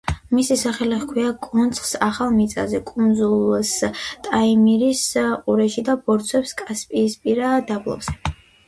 მისი სახელი ჰქვია კონცხს ახალ მიწაზე, კუნძულს ტაიმირის ყურეში და ბორცვებს კასპიისპირა დაბლობზე.